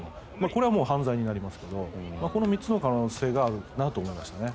これはもう犯罪になりますがこの３つの可能性があるなと思います。